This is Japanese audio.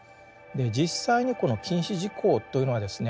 実際にこの禁止事項というのはですね